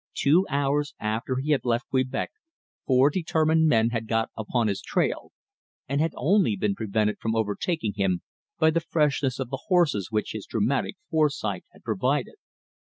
Two hours after he had left Quebec, four determined men had got upon his trail, and had only been prevented from overtaking him by the freshness of the horses which his dramatic foresight had provided.